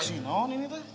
saksi naun ini teh